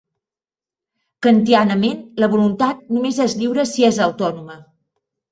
Kantianament, la voluntat només és lliure si és autònoma.